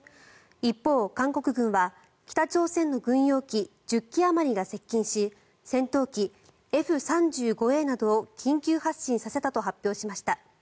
一方、韓国軍は北朝鮮の軍用機１０機あまりが接近し戦闘機Ｆ３５Ａなどを緊急発進させたと発表しました。